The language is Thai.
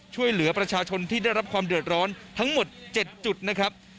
ช่วยเหลือประชาชนที่ได้รับความเดือดร้อนทั้งหมด๗จุดนะครับ